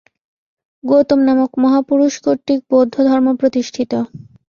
গৌতম নামক মহাপুরুষ কর্তৃক বৌদ্ধধর্ম প্রতিষ্ঠিত।